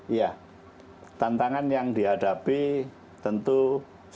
iya tantangan yang dihadapi tentu saja